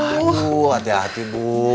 aduh hati hati bu